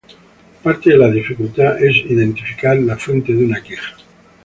Parte de la dificultad es identificar la fuente de una queja.